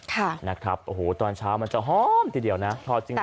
ค่ะนะครับโอ้โหตอนเช้ามันจะหอมทีเดียวนะทอดจริง